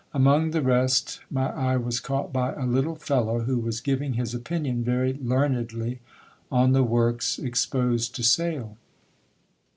Among the rest my eye was caught by a little fellow, who was giving his opinion very learnedly on the works exposed to sale.